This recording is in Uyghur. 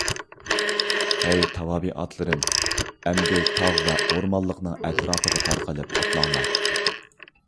ھەي تاۋابىئاتلىرىم! ئەمدى تاغ ۋە ئورمانلىقنىڭ ئەتراپىغا تارقىلىپ ئوتلاڭلار.